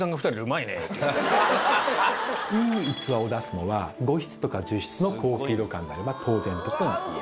いい器を出すのは５室とか１０室の高級旅館であれば当然とかは言えます。